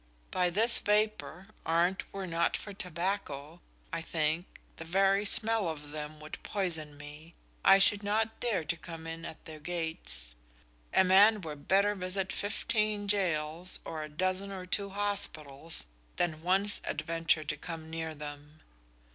By this vapour an't were not for tobacco I think the very smell of them would poison me, I should not dare to come in at their gates. A man were better visit fifteen jails or a dozen or two hospitals than once adventure to come near them.'"